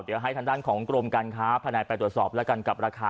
เดี๋ยวให้ทางด้านของกรมการค้าภายในไปตรวจสอบแล้วกันกับราคา